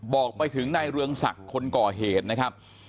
บอกไปถึงนายเรืองศักดิ์คนก่อเหตุนะครับ